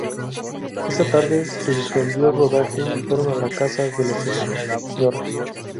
Esa tarde se suspendió el rodaje y fueron a la casa de la Sra.